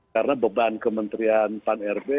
karena beban kementerian pan rb